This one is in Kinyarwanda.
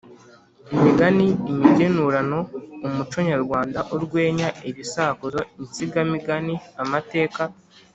imigani, imigenurano, umuco nyarwanda, urwenya, ibisakuzo, insigamigani, amateka